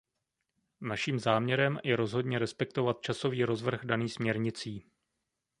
Naším záměrem je rozhodně respektovat časový rozvrh daný směrnicí.